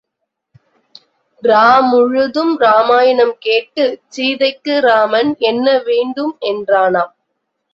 இரா முழுதும் ராமாயணம் கேட்டுச் சீதைக்கு ராமன் என்ன வேண்டும் என்றானாம்.